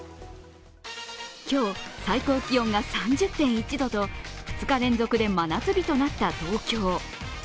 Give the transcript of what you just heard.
今日、最高気温が３０．１度と２日連続で真夏日となった東京。